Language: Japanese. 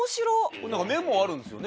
これメモあるんですよね？